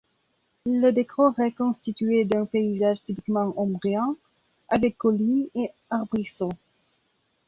Le décor est constitué d'un paysage typiquement ombrien, avec collines et arbrisseaux.